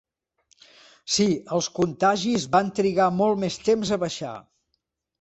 Sí, els contagis van trigar molt més temps a baixar.